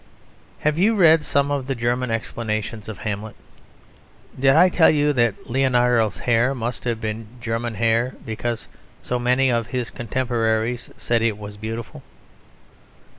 Have you read some of the German explanations of Hamlet? Did I tell you that Leonardo's hair must have been German hair, because so many of his contemporaries said it was beautiful?